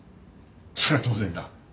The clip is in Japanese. それは当然だ。